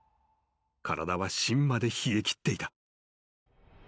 ［体は芯まで冷えきっていた］